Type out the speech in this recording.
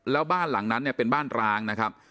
แล้วบ้านหลังนั้นเนี่ยเป็นบ้านร้างนะครับ